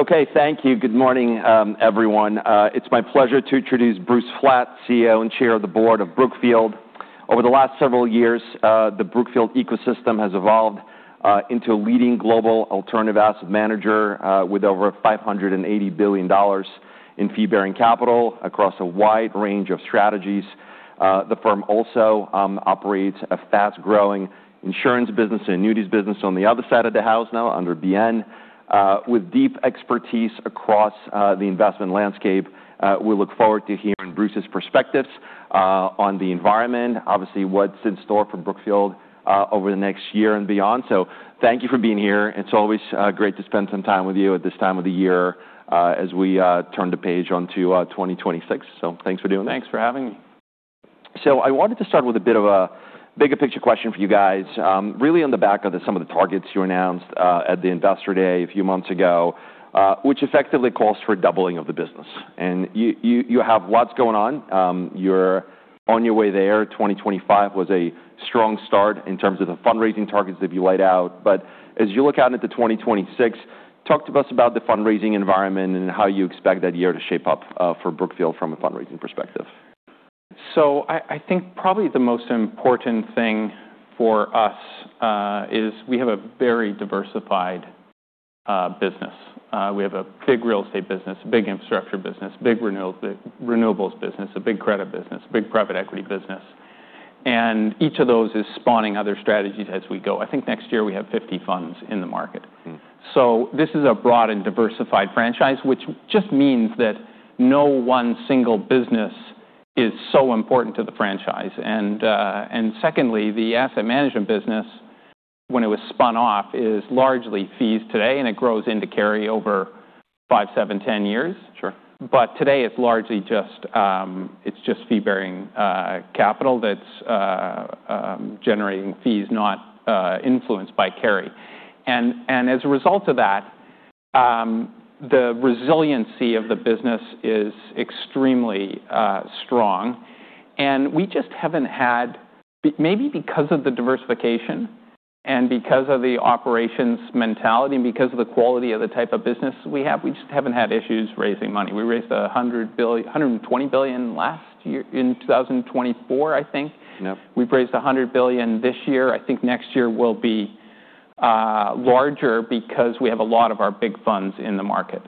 Okay, thank you. Good morning, everyone. It's my pleasure to introduce Bruce Flatt, CEO and Chair of the Board of Brookfield. Over the last several years, the Brookfield ecosystem has evolved into a leading global alternative asset manager with over $580 billion in fee-bearing capital across a wide range of strategies. The firm also operates a fast-growing insurance business and annuities business on the other side of the house now under BN, with deep expertise across the investment landscape. We look forward to hearing Bruce's perspectives on the environment, obviously what's in store for Brookfield over the next year and beyond. So thank you for being here. It's always great to spend some time with you at this time of the year as we turn the page onto 2026. So thanks for doing that. Thanks for having me. So I wanted to start with a bit of a bigger picture question for you guys, really on the back of some of the targets you announced at the Investor Day a few months ago, which effectively calls for doubling of the business. And you have lots going on. You're on your way there. 2025 was a strong start in terms of the fundraising targets that you laid out. But as you look out into 2026, talk to us about the fundraising environment and how you expect that year to shape up for Brookfield from a fundraising perspective? So I think probably the most important thing for us is we have a very diversified business. We have a big real estate business, a big infrastructure business, a big renewables business, a big credit business, a big private equity business. And each of those is spawning other strategies as we go. I think next year we have 50 funds in the market. So this is a broad and diversified franchise, which just means that no one single business is so important to the franchise. And secondly, the asset management business, when it was spun off, is largely fees today, and it grows into carry over five, seven, 10 years. But today it's largely just fee-bearing capital that's generating fees, not influenced by carry. And as a result of that, the resiliency of the business is extremely strong. We just haven't had, maybe because of the diversification and because of the operations mentality and because of the quality of the type of business we have, we just haven't had issues raising money. We raised $120 billion last year in 2024, I think. We've raised $100 billion this year. I think next year will be larger because we have a lot of our big funds in the market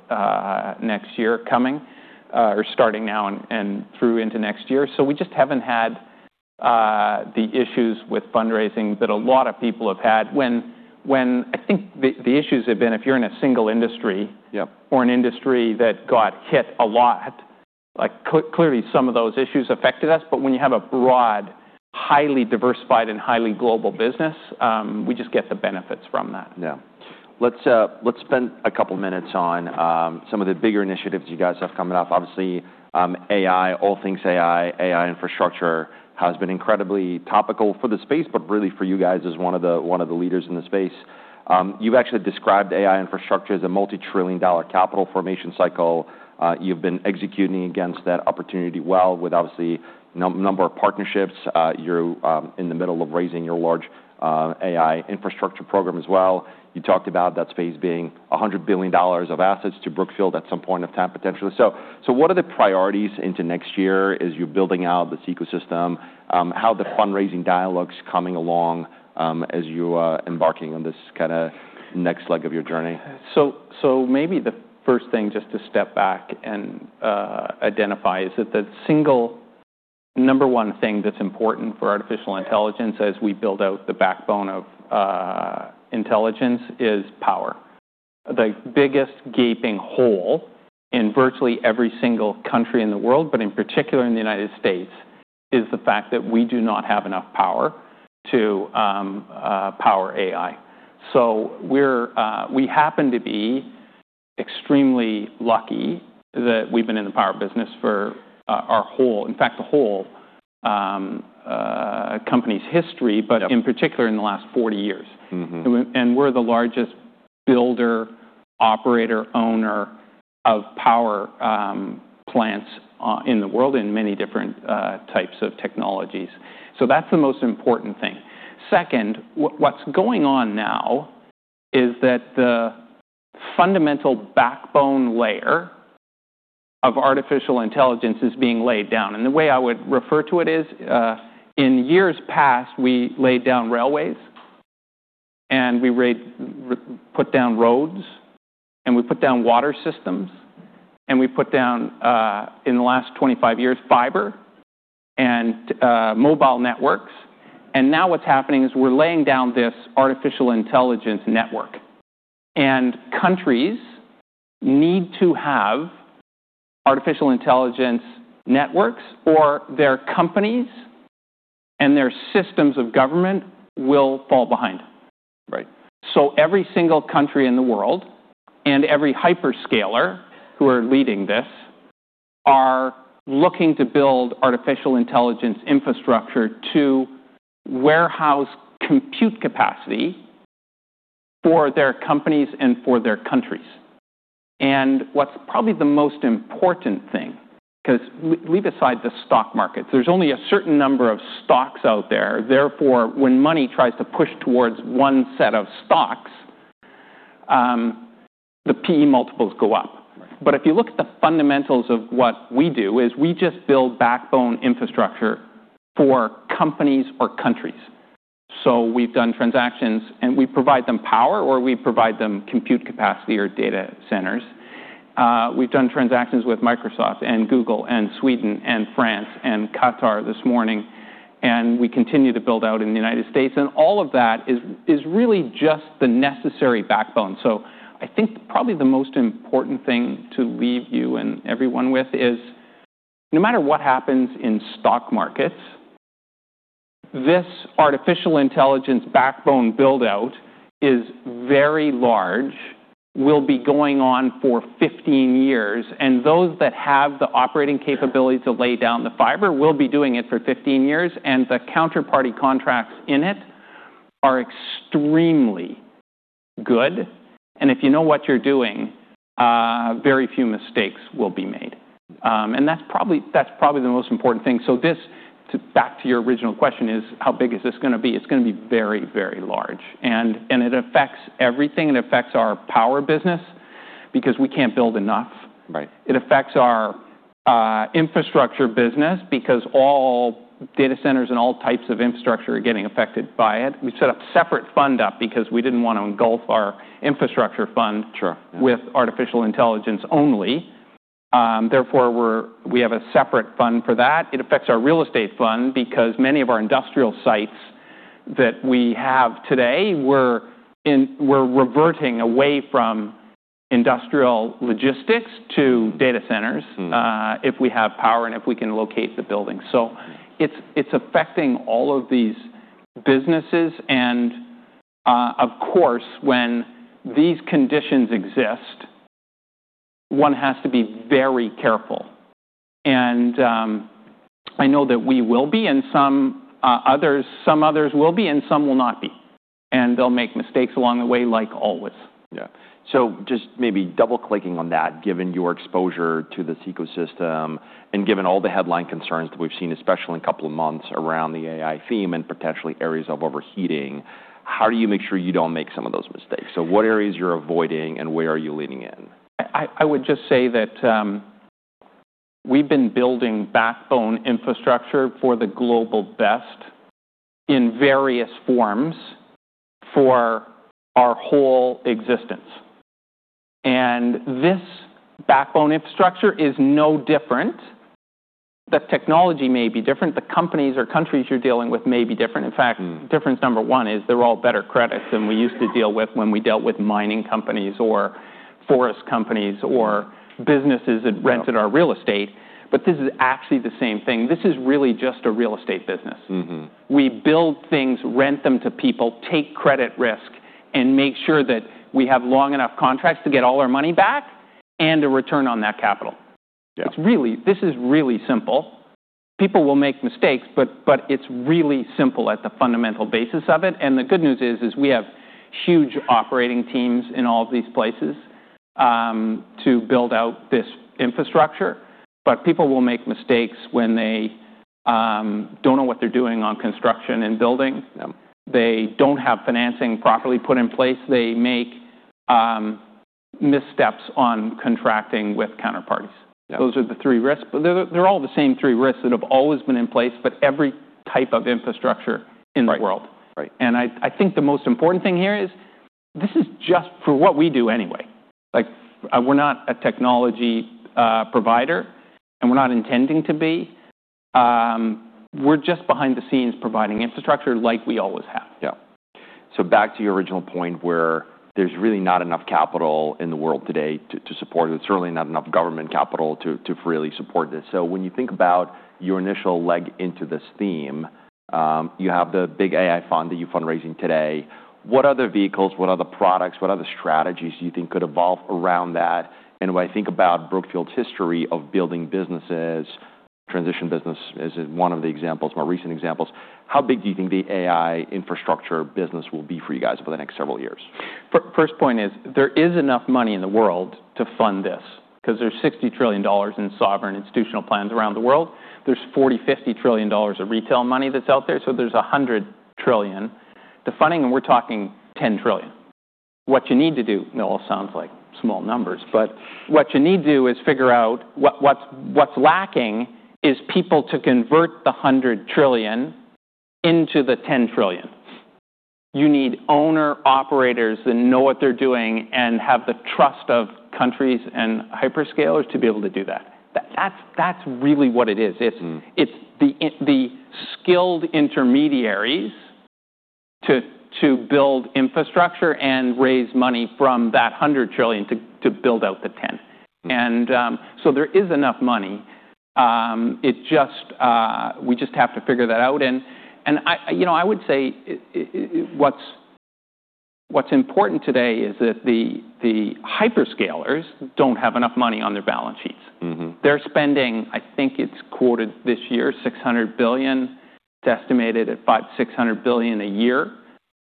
next year coming or starting now and through into next year. We just haven't had the issues with fundraising that a lot of people have had. When I think the issues have been, if you're in a single industry or an industry that got hit a lot, clearly some of those issues affected us. When you have a broad, highly diversified, and highly global business, we just get the benefits from that. Yeah. Let's spend a couple of minutes on some of the bigger initiatives you guys have coming up. Obviously, AI, all things AI, AI infrastructure has been incredibly topical for the space, but really for you guys as one of the leaders in the space. You've actually described AI infrastructure as a multi-trillion dollar capital formation cycle. You've been executing against that opportunity well with obviously a number of partnerships. You're in the middle of raising your large AI infrastructure program as well. You talked about that space being $100 billion of assets to Brookfield at some point of time potentially. So what are the priorities into next year as you're building out this ecosystem? How are the fundraising dialogues coming along as you're embarking on this kind of next leg of your journey? So maybe the first thing just to step back and identify is that the single number one thing that's important for artificial intelligence as we build out the backbone of intelligence is power. The biggest gaping hole in virtually every single country in the world, but in particular in the United States, is the fact that we do not have enough power to power AI. So we happen to be extremely lucky that we've been in the power business for our whole, in fact, the whole company's history, but in particular in the last 40 years. And we're the largest builder, operator, owner of power plants in the world in many different types of technologies. So that's the most important thing. Second, what's going on now is that the fundamental backbone layer of artificial intelligence is being laid down. And the way I would refer to it is in years past, we laid down railways and we put down roads and we put down water systems and we put down in the last 25 years fiber and mobile networks. And now what's happening is we're laying down this artificial intelligence network. And countries need to have artificial intelligence networks or their companies and their systems of government will fall behind. So every single country in the world and every hyperscaler who are leading this are looking to build artificial intelligence infrastructure to warehouse compute capacity for their companies and for their countries. And what's probably the most important thing, because leave aside the stock markets, there's only a certain number of stocks out there. Therefore, when money tries to push towards one set of stocks, the PE multiples go up. But if you look at the fundamentals of what we do is we just build backbone infrastructure for companies or countries. So we've done transactions and we provide them power or we provide them compute capacity or data centers. We've done transactions with Microsoft and Google and Sweden and France and Qatar this morning. And we continue to build out in the United States. And all of that is really just the necessary backbone. So I think probably the most important thing to leave you and everyone with is no matter what happens in stock markets, this artificial intelligence backbone buildout is very large, will be going on for 15 years. And those that have the operating capability to lay down the fiber will be doing it for 15 years. And the counterparty contracts in it are extremely good. And if you know what you're doing, very few mistakes will be made. And that's probably the most important thing. So this, back to your original question, is how big is this going to be? It's going to be very, very large. And it affects everything. It affects our power business because we can't build enough. It affects our infrastructure business because all data centers and all types of infrastructure are getting affected by it. We set up separate fund because we didn't want to engulf our infrastructure fund with artificial intelligence only. Therefore, we have a separate fund for that. It affects our real estate fund because many of our industrial sites that we have today, we're reverting away from industrial logistics to data centers if we have power and if we can locate the buildings. So it's affecting all of these businesses. Of course, when these conditions exist, one has to be very careful. I know that we will be and some others will be and some will not be. They'll make mistakes along the way like always. Yeah. So just maybe double clicking on that, given your exposure to this ecosystem and given all the headline concerns that we've seen, especially in a couple of months around the AI theme and potentially areas of overheating, how do you make sure you don't make some of those mistakes? So what areas you're avoiding and where are you leaning in? I would just say that we've been building backbone infrastructure for the global best in various forms for our whole existence. And this backbone infrastructure is no different. The technology may be different. The companies or countries you're dealing with may be different. In fact, difference number one is they're all better credits than we used to deal with when we dealt with mining companies or forest companies or businesses that rented our real estate. But this is actually the same thing. This is really just a real estate business. We build things, rent them to people, take credit risk, and make sure that we have long enough contracts to get all our money back and a return on that capital. This is really simple. People will make mistakes, but it's really simple at the fundamental basis of it. And the good news is we have huge operating teams in all of these places to build out this infrastructure. But people will make mistakes when they don't know what they're doing on construction and building. They don't have financing properly put in place. They make missteps on contracting with counterparties. Those are the three risks. They're all the same three risks that have always been in place, but every type of infrastructure in the world. And I think the most important thing here is this is just for what we do anyway. We're not a technology provider and we're not intending to be. We're just behind the scenes providing infrastructure like we always have. Yeah. So back to your original point where there's really not enough capital in the world today to support it. It's certainly not enough government capital to really support this. So when you think about your initial leg into this theme, you have the big AI fund that you're fundraising today. What other vehicles, what other products, what other strategies do you think could evolve around that? And when I think about Brookfield's history of building businesses, transition business is one of the examples, more recent examples, how big do you think the AI infrastructure business will be for you guys over the next several years? First point is there is enough money in the world to fund this because there's $60 trillion in sovereign institutional plans around the world. There's $40 trillion, $50 trillion of retail money that's out there. So there's $100 trillion to funding. And we're talking $10 trillion. What you need to do, it all sounds like small numbers, but what you need to do is figure out what's lacking is people to convert the $100 trillion into the $10 trillion. You need owner operators that know what they're doing and have the trust of countries and hyperscalers to be able to do that. That's really what it is. It's the skilled intermediaries to build infrastructure and raise money from that $100 trillion to build out the $10 trillion. And so there is enough money. We just have to figure that out. I would say what's important today is that the hyperscalers don't have enough money on their balance sheets. They're spending, I think it's quoted this year, $600 billion. It's estimated at $500 billion, $600 billion a year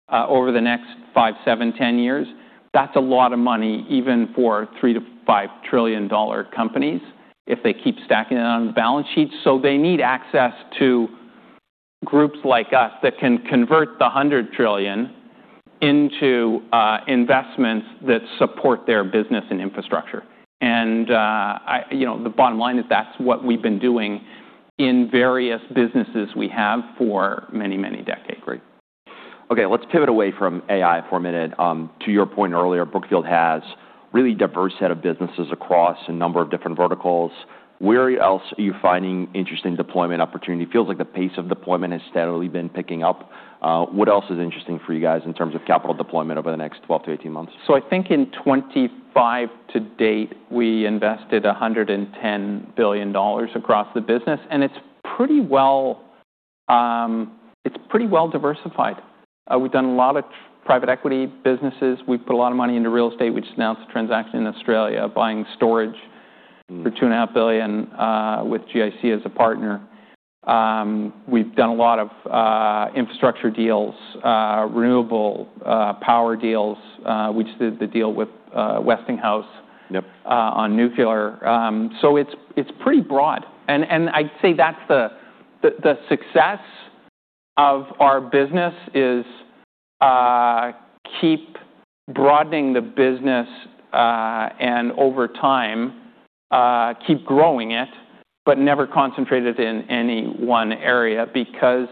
over the next five, seven, ten years. That's a lot of money even for $3 trillion-$5 trillion companies if they keep stacking it on the balance sheets. So they need access to groups like us that can convert the $100 trillion into investments that support their business and infrastructure. And the bottom line is that's what we've been doing in various businesses we have for many, many decades. Great. Okay. Let's pivot away from AI for a minute. To your point earlier, Brookfield has a really diverse set of businesses across a number of different verticals. Where else are you finding interesting deployment opportunity? It feels like the pace of deployment has steadily been picking up. What else is interesting for you guys in terms of capital deployment over the next 12-18 months? So I think in 2025 to date, we invested $110 billion across the business. And it's pretty well diversified. We've done a lot of private equity businesses. We've put a lot of money into real estate. We just announced a transaction in Australia buying storage for $2.5 billion with GIC as a partner. We've done a lot of infrastructure deals, renewable power deals. We just did the deal with Westinghouse on nuclear. So it's pretty broad. And I'd say that's the success of our business is keep broadening the business and over time keep growing it, but never concentrate it in any one area. Because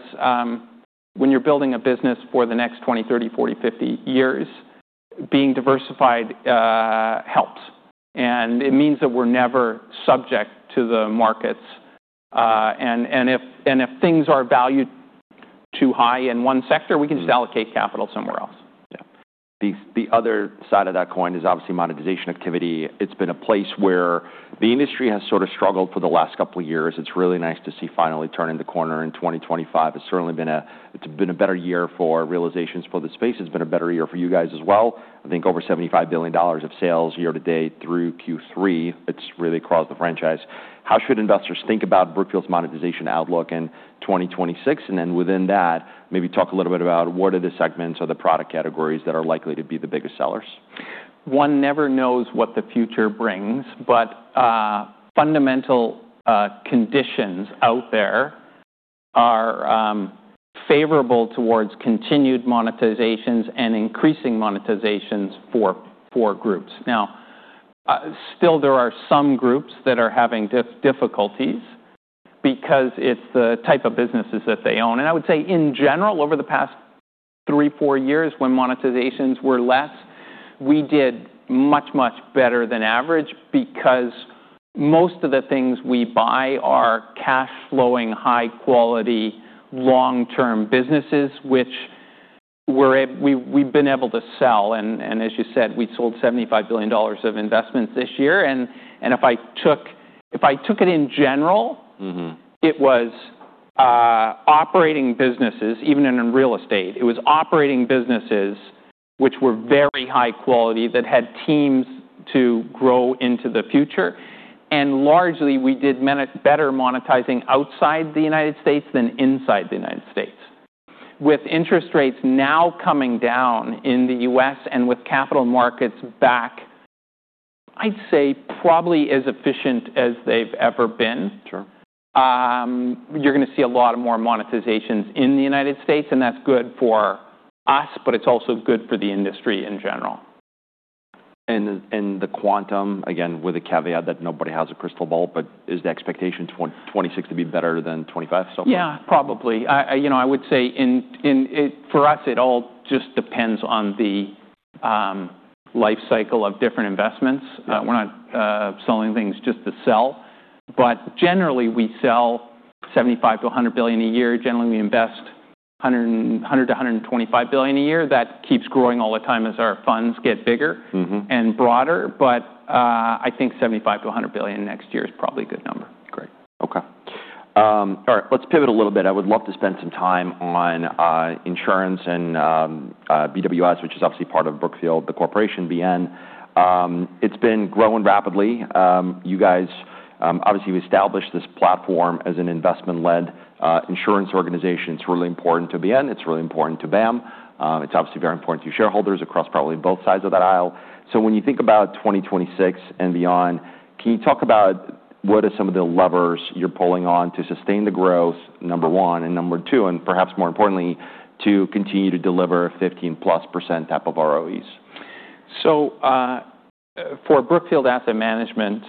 when you're building a business for the next 20, 30, 40, 50 years, being diversified helps. And it means that we're never subject to the markets. And if things are valued too high in one sector, we can just allocate capital somewhere else. Yeah. The other side of that coin is obviously monetization activity. It's been a place where the industry has sort of struggled for the last couple of years. It's really nice to see finally turning the corner in 2025. It's certainly been a better year for realizations for the space. It's been a better year for you guys as well. I think over $75 billion of sales year to date through Q3. It's really across the franchise. How should investors think about Brookfield's monetization outlook in 2026? And then within that, maybe talk a little bit about what are the segments or the product categories that are likely to be the biggest sellers? One never knows what the future brings, but fundamental conditions out there are favorable towards continued monetizations and increasing monetizations for groups. Now, still there are some groups that are having difficulties because it's the type of businesses that they own. And I would say in general, over the past three, four years when monetizations were less, we did much, much better than average because most of the things we buy are cash flowing, high-quality, long-term businesses, which we've been able to sell. And as you said, we sold $75 billion of investments this year. And if I took it in general, it was operating businesses, even in real estate, it was operating businesses which were very high quality that had teams to grow into the future. And largely, we did better monetizing outside the United States than inside the United States. With interest rates now coming down in the U.S. and with capital markets back, I'd say probably as efficient as they've ever been, you're going to see a lot more monetizations in the United States. And that's good for us, but it's also good for the industry in general. And the quantum, again, with the caveat that nobody has a crystal ball, but is the expectation 2026 to be better than 2025 somewhere? Yeah, probably. I would say for us, it all just depends on the life cycle of different investments. We're not selling things just to sell. But generally, we sell $75 billion-$100 billion a year. Generally, we invest $100 billion-$125 billion a year. That keeps growing all the time as our funds get bigger and broader. But I think $75 billion-$100 billion next year is probably a good number. Great. Okay. All right. Let's pivot a little bit. I would love to spend some time on insurance and BWS, which is obviously part of Brookfield, the corporation, BN. It's been growing rapidly. You guys obviously established this platform as an investment-led insurance organization. It's really important to BN. It's really important to BAM. It's obviously very important to shareholders across probably both sides of that aisle. So when you think about 2026 and beyond, can you talk about what are some of the levers you're pulling on to sustain the growth, number one, and number two, and perhaps more importantly, to continue to deliver 15% plus type of ROEs? So for Brookfield Asset Management,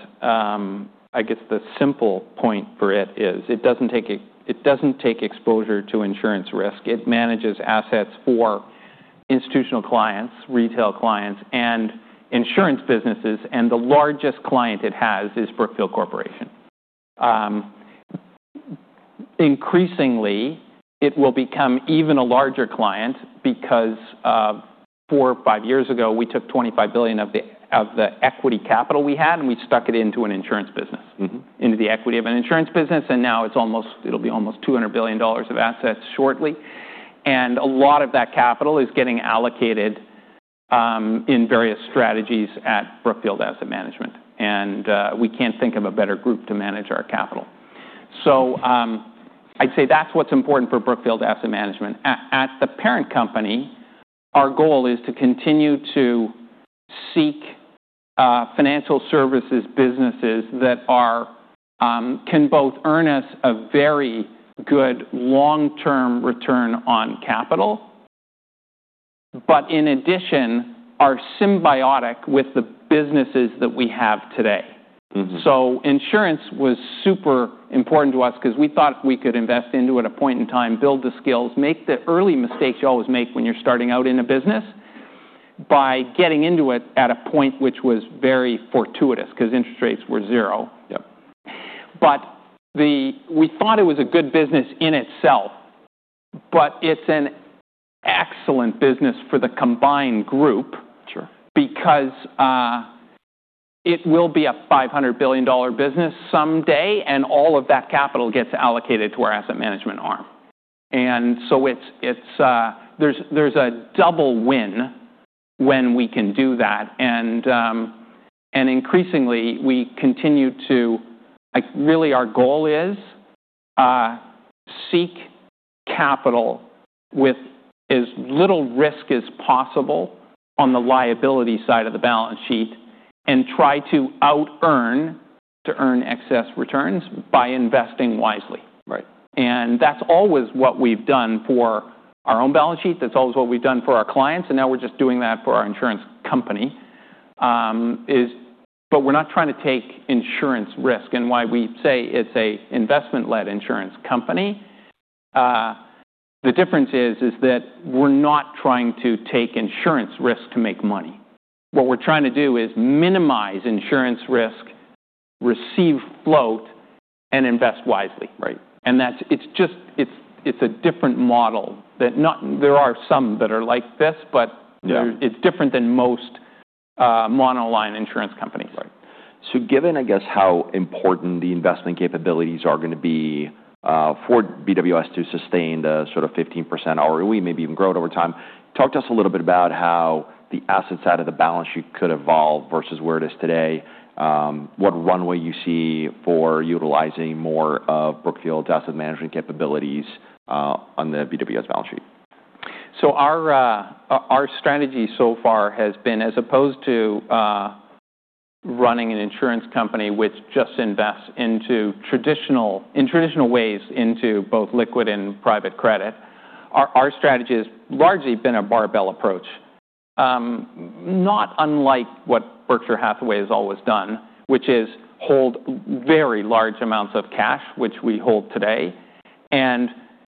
I guess the simple point for it is it doesn't take exposure to insurance risk. It manages assets for institutional clients, retail clients, and insurance businesses. And the largest client it has is Brookfield Corporation. Increasingly, it will become even a larger client because four, five years ago, we took $25 billion of the equity capital we had and we stuck it into an insurance business, into the equity of an insurance business. And now it'll be almost $200 billion of assets shortly. And a lot of that capital is getting allocated in various strategies at Brookfield Asset Management. And we can't think of a better group to manage our capital. So I'd say that's what's important for Brookfield Asset Management.. At the parent company, our goal is to continue to seek financial services businesses that can both earn us a very good long-term return on capital, but in addition, are symbiotic with the businesses that we have today, so insurance was super important to us because we thought we could invest into it at a point in time, build the skills, make the early mistakes you always make when you're starting out in a business by getting into it at a point which was very fortuitous because interest rates were zero, but we thought it was a good business in itself, but it's an excellent business for the combined group because it will be a $500 billion business someday and all of that capital gets allocated to our asset management arm, and so there's a double win when we can do that. Increasingly, we continue to, really, our goal is to seek capital with as little risk as possible on the liability side of the balance sheet and try to out-earn to earn excess returns by investing wisely. That's always what we've done for our own balance sheet. That's always what we've done for our clients. Now we're just doing that for our insurance company. We're not trying to take insurance risk. Why we say it's an investment-led insurance company, the difference is that we're not trying to take insurance risk to make money. What we're trying to do is minimize insurance risk, receive float, and invest wisely. It's a different model in that there are some that are like this, but it's different than most monoline insurance companies. Right. So given, I guess, how important the investment capabilities are going to be for BWS to sustain the sort of 15% ROE, maybe even grow it over time, talk to us a little bit about how the asset side of the balance sheet could evolve versus where it is today, what runway you see for utilizing more of Brookfield's asset management capabilities on the BWS balance sheet. So our strategy so far has been, as opposed to running an insurance company which just invests in traditional ways into both liquid and private credit, our strategy has largely been a barbell approach, not unlike what Berkshire Hathaway has always done, which is hold very large amounts of cash, which we hold today, and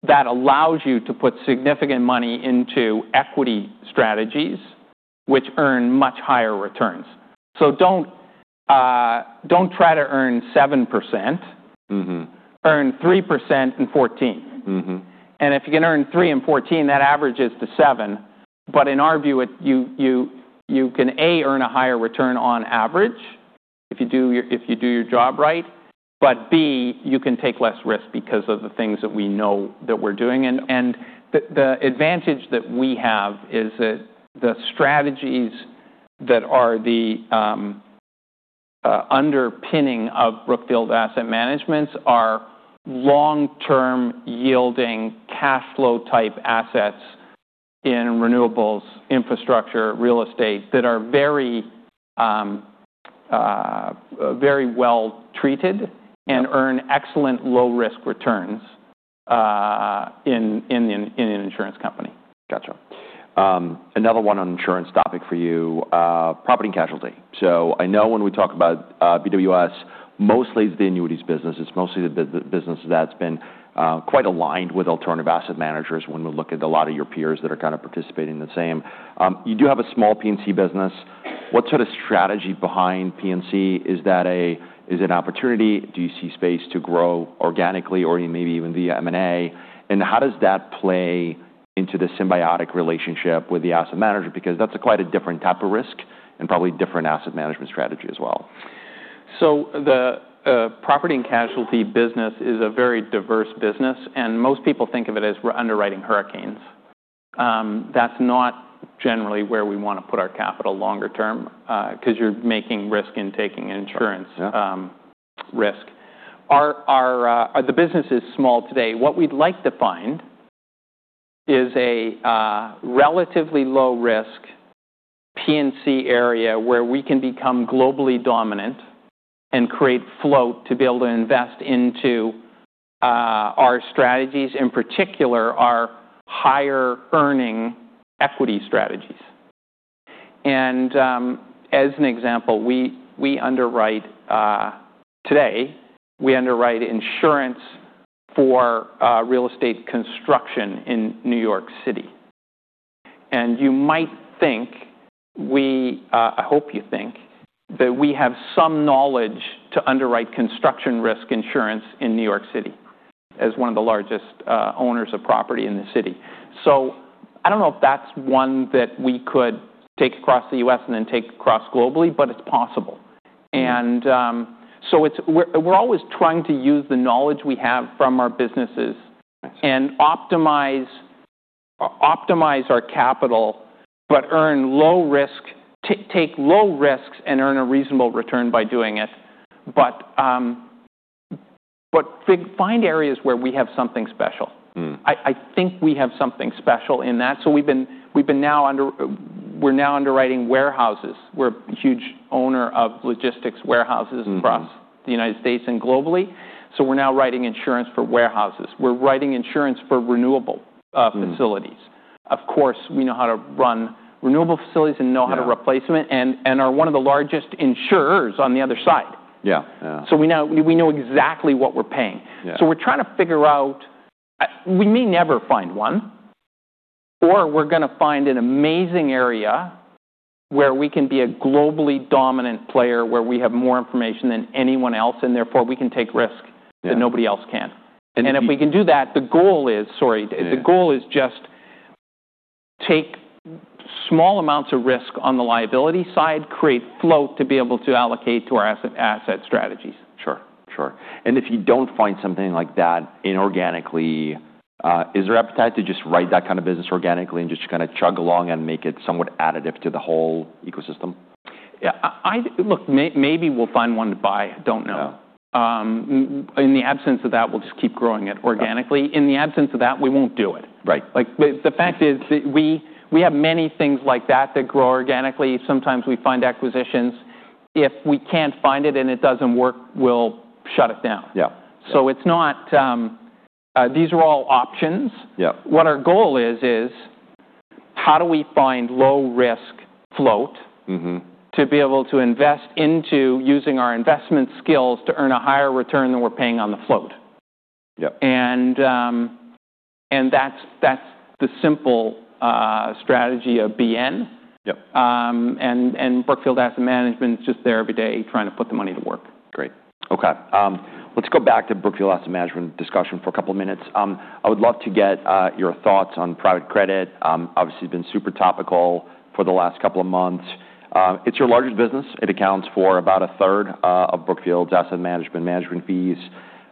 that allows you to put significant money into equity strategies which earn much higher returns, so don't try to earn 7%, earn 3% and 14% And if you can earn 3% and 14%, that averages to 7%, but in our view, you can A, earn a higher return on average if you do your job right, but B, you can take less risk because of the things that we know that we're doing. The advantage that we have is that the strategies that are the underpinning of Brookfield Asset Management are long-term yielding cash flow type assets in renewables, infrastructure, real estate that are very well treated and earn excellent low-risk returns in an insurance company. Gotcha. Another one on insurance topic for you, property and casualty, so I know when we talk about BWS, mostly it's the annuities business. It's mostly the business that's been quite aligned with alternative asset managers when we look at a lot of your peers that are kind of participating in the same. You do have a small P&C business. What sort of strategy behind P&C? Is that an opportunity? Do you see space to grow organically or maybe even via M&A, and how does that play into the symbiotic relationship with the asset manager? Because that's quite a different type of risk and probably different asset management strategy as well. The property and casualty business is a very diverse business. Most people think of it as we're underwriting hurricanes. That's not generally where we want to put our capital longer term because you're making risk in taking insurance risk. The business is small today. What we'd like to find is a relatively low-risk P&C area where we can become globally dominant and create float to be able to invest into our strategies, in particular our higher earning equity strategies. As an example, today, we underwrite insurance for real estate construction in New York City. You might think, I hope you think, that we have some knowledge to underwrite construction risk insurance in New York City as one of the largest owners of property in the city. So I don't know if that's one that we could take across the U.S. and then take across globally, but it's possible. And so we're always trying to use the knowledge we have from our businesses and optimize our capital, but take low risks and earn a reasonable return by doing it. But find areas where we have something special. I think we have something special in that. So we've been now underwriting warehouses. We're a huge owner of logistics warehouses across the United States and globally. So we're now writing insurance for warehouses. We're writing insurance for renewable facilities. Of course, we know how to run renewable facilities and know how to replace them and are one of the largest insurers on the other side. So we know exactly what we're paying. So we're trying to figure out, we may never find one, or we're going to find an amazing area where we can be a globally dominant player where we have more information than anyone else and therefore we can take risk that nobody else can. And if we can do that, the goal is, sorry, the goal is just take small amounts of risk on the liability side, create float to be able to allocate to our asset strategies. Sure. Sure. And if you don't find something like that inorganically, is there appetite to just write that kind of business organically and just kind of chug along and make it somewhat additive to the whole ecosystem? Yeah. Look, maybe we'll find one to buy. Don't know. In the absence of that, we'll just keep growing it organically. In the absence of that, we won't do it. The fact is that we have many things like that that grow organically. Sometimes we find acquisitions. If we can't find it and it doesn't work, we'll shut it down. So these are all options. What our goal is, is how do we find low-risk float to be able to invest into using our investment skills to earn a higher return than we're paying on the float. And that's the simple strategy of BN. And Brookfield Asset Management is just there every day trying to put the money to work. Great. Okay. Let's go back to Brookfield Asset Management discussion for a couple of minutes. I would love to get your thoughts on private credit. Obviously, it's been super topical for the last couple of months. It's your largest business. It accounts for about 1/3 of Brookfield Asset Management fees.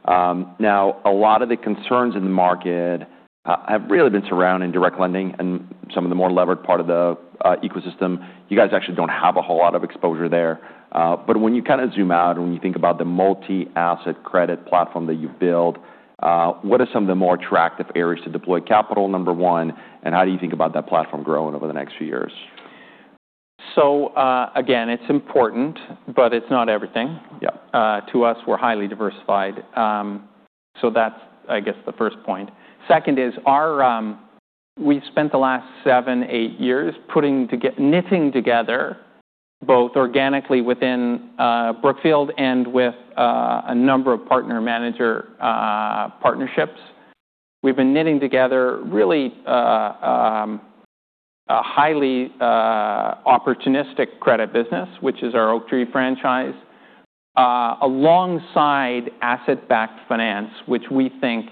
Now, a lot of the concerns in the market have really been surrounding direct lending and some of the more levered part of the ecosystem. You guys actually don't have a whole lot of exposure there. But when you kind of zoom out and when you think about the multi-asset credit platform that you've built, what are some of the more attractive areas to deploy capital, number one? And how do you think about that platform growing over the next few years? So again, it's important, but it's not everything. To us, we're highly diversified. So that's, I guess, the first point. Second is we've spent the last seven, eight years knitting together both organically within Brookfield and with a number of partner manager partnerships. We've been knitting together really a highly opportunistic credit business, which is our Oaktree franchise, alongside asset-backed finance, which we think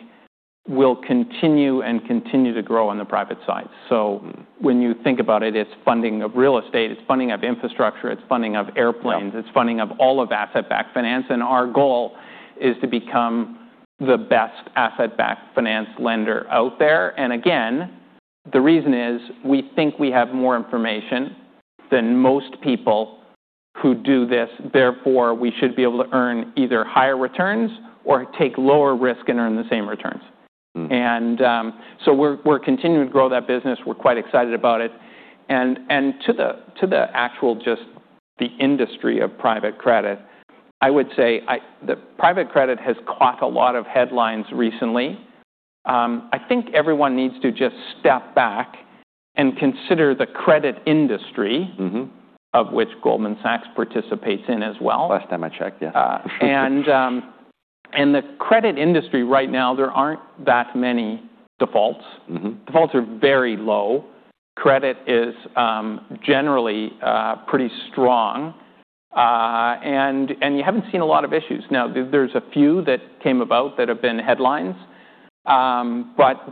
will continue and continue to grow on the private side. So when you think about it, it's funding of real estate. It's funding of infrastructure. It's funding of airplanes. It's funding of all of asset-backed finance. And our goal is to become the best asset-backed finance lender out there. And again, the reason is we think we have more information than most people who do this. Therefore, we should be able to earn either higher returns or take lower risk and earn the same returns. And so we're continuing to grow that business. We're quite excited about it. And to the actual just the industry of private credit, I would say that private credit has caught a lot of headlines recently. I think everyone needs to just step back and consider the credit industry of which Goldman Sachs participates in as well. Last time I checked, yes. The credit industry right now, there aren't that many defaults. Defaults are very low. Credit is generally pretty strong. You haven't seen a lot of issues. Now, there's a few that came about that have been headlines.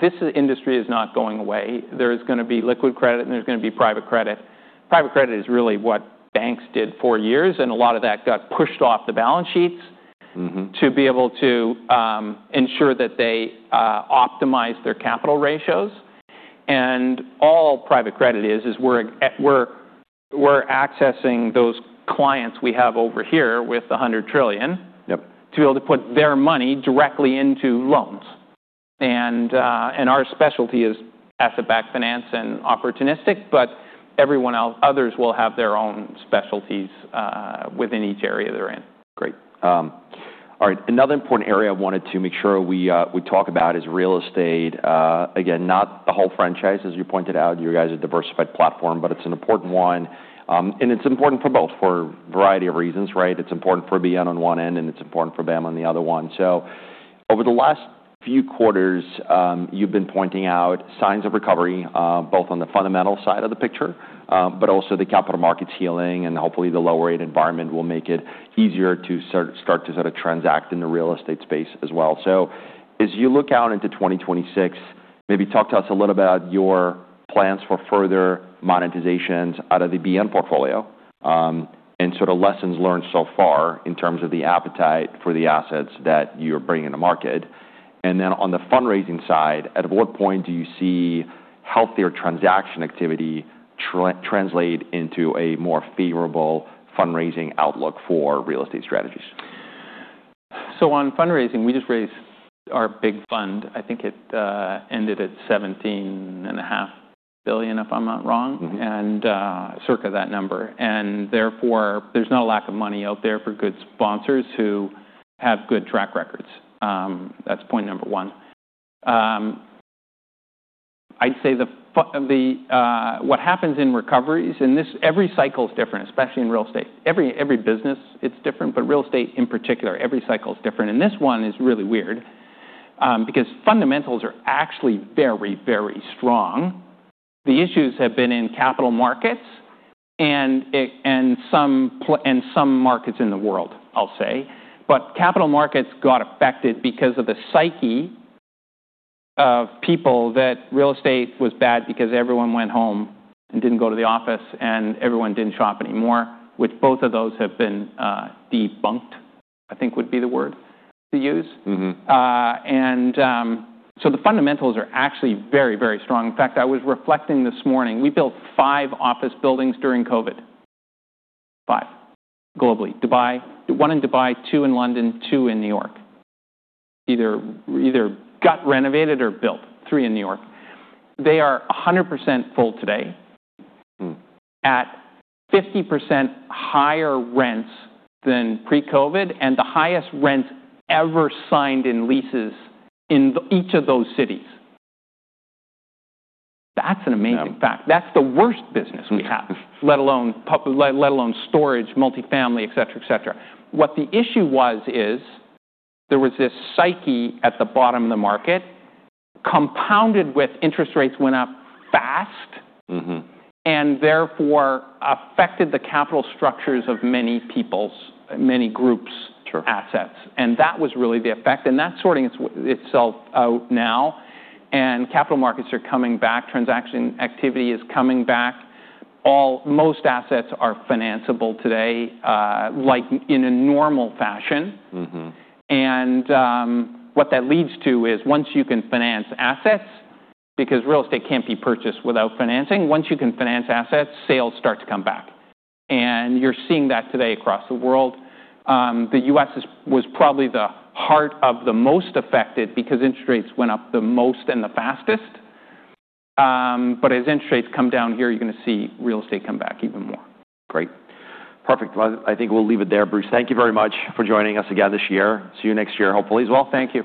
This industry is not going away. There is going to be liquid credit and there's going to be private credit. Private credit is really what banks did for years. A lot of that got pushed off the balance sheets to be able to ensure that they optimize their capital ratios. All private credit is, is we're accessing those clients we have over here with $100 trillion to be able to put their money directly into loans. Our specialty is asset-backed finance and opportunistic, but others will have their own specialties within each area they're in. Great. All right. Another important area I wanted to make sure we talk about is real estate. Again, not the whole franchise, as you pointed out. You guys are a diversified platform, but it's an important one, and it's important for both for a variety of reasons, right, so over the last few quarters, you've been pointing out signs of recovery both on the fundamental side of the picture, but also the capital markets healing, and hopefully, the lower rate environment will make it easier to start to sort of transact in the real estate space as well. So as you look out into 2026, maybe talk to us a little bit about your plans for further monetizations out of the BN portfolio and sort of lessons learned so far in terms of the appetite for the assets that you're bringing to market? And then on the fundraising side, at what point do you see healthier transaction activity translate into a more favorable fundraising outlook for real estate strategies? So on fundraising, we just raised our big fund. I think it ended at $17.5 billion, if I'm not wrong, and circa that number. And therefore, there's not a lack of money out there for good sponsors who have good track records. That's point number one. I'd say what happens in recoveries, and every cycle is different, especially in real estate. Every business, it's different, but real estate in particular, every cycle is different. And this one is really weird because fundamentals are actually very, very strong. The issues have been in capital markets and some markets in the world, I'll say. But capital markets got affected because of the psyche of people that real estate was bad because everyone went home and didn't go to the office and everyone didn't shop anymore, which both of those have been debunked, I think would be the word to use. And so the fundamentals are actually very, very strong. In fact, I was reflecting this morning. We built five office buildings during COVID. Five, globally. One in Dubai, two in London, two in New York. Either got renovated or built. Three in New York. They are 100% full today at 50% higher rents than pre-COVID and the highest rent ever signed in leases in each of those cities. That's an amazing fact. That's the worst business we have, let alone storage, multifamily, etc., etc. What the issue was is there was this psyche at the bottom of the market compounded with interest rates went up fast and therefore affected the capital structures of many people's, many groups' assets. And that was really the effect. And that's sorting itself out now. And capital markets are coming back. Transaction activity is coming back. Most assets are financeable today in a normal fashion. And what that leads to is once you can finance assets, because real estate can't be purchased without financing, once you can finance assets, sales start to come back. And you're seeing that today across the world. The U.S. was probably the heart of the most affected because interest rates went up the most and the fastest. But as interest rates come down here, you're going to see real estate come back even more. Great. Perfect. I think we'll leave it there, Bruce. Thank you very much for joining us again this year. See you next year, hopefully, as well. Thank you.